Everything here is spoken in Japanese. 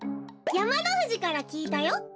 やまのふじからきいたよ。